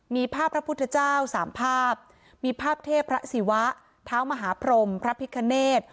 มีภาพพระพุทธเจ้าสามภาพมีภาพเทพพระศิวะเท้ามหาพรมพระพิคเนธ